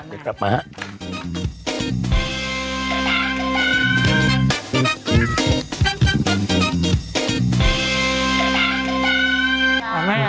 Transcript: เดี๋ยวกลับมาฮะ